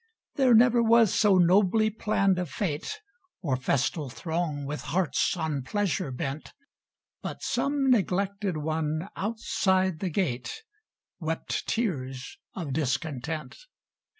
There never was so nobly planned a fête, Or festal throng with hearts on pleasure bent, But some neglected one outside the gate Wept tears of discontent.